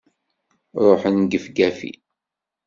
Ruḥen gefgafi!